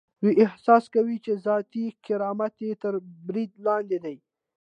دوی احساس کوي چې ذاتي کرامت یې تر برید لاندې دی.